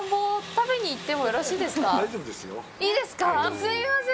すみません。